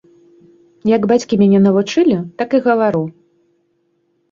Як бацькі мяне навучылі, так і гавару.